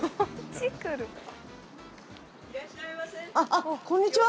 あっこんにちは。